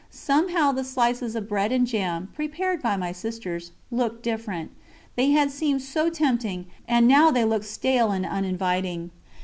Somehow the slices of bread and jam, prepared by my sisters, looked different; they had seemed so tempting, and now they looked stale and uninviting.